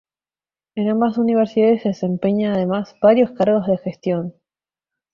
En ambas universidades desempeña además varios cargos de gestión.